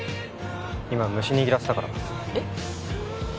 今虫握らせたからえっ？